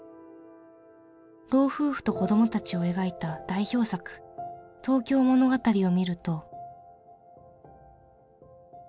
老夫婦と子供たちを描いた代表作「東京物語」を見ると。